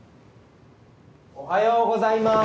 ・おはようございます。